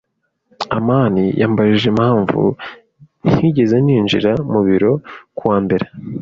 amani yambajije impamvu ntigeze ninjira mu biro ku wa mbere.